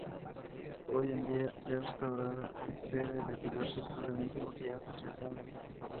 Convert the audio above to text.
Hoy día, ya restaurada, es sede de diversos organismos y asociaciones.